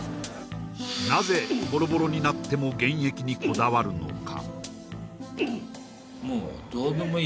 なぜボロボロになっても現役にこだわるのか？